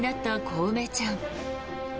こうめちゃん。